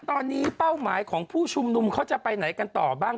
ตอนนี้เป้าหมายของผู้ชุมนุมเขาจะไปไหนกันต่อบ้าง